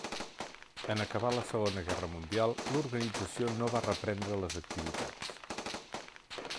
En acabar la Segona Guerra Mundial, l'organització no va reprendre les activitats.